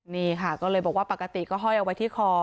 นี่ค่ะก็เลยบอกว่าปกติก็ห้อยเอาไว้ที่คอ